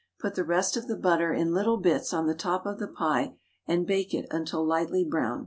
Put the rest of the butter in little bits on the top of the pie, and bake it until lightly brown.